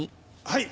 はい。